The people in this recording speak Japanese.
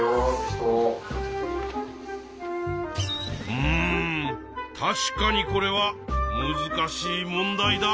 うん確かにこれはむずかしい問題だ。